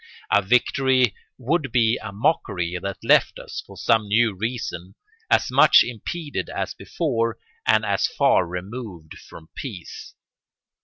A victory would be a mockery that left us, for some new reason, as much impeded as before and as far removed from peace.